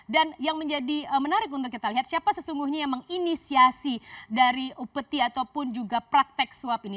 dan yang menjadi menarik untuk kita lihat siapa sesungguhnya yang menginisiasi dari upeti ataupun juga praktek swap ini